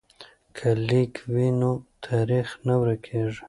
که لیک وي نو تاریخ نه ورکیږي.